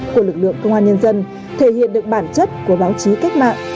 của lực lượng công an nhân dân thể hiện được bản chất của báo chí cách mạng